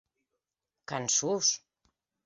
Cançons!